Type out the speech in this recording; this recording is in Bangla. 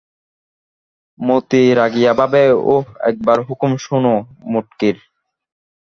মতি রাগিয়া ভাবে, ওহ্ একবার হুকুম শোনো মুটকির!